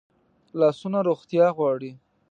لاسونه روغتیا غواړي